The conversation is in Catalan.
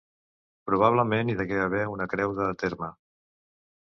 Probablement hi degué haver una creu de terme.